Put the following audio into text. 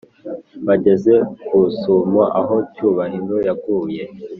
bageze kusumo aho cyubahiro yaguye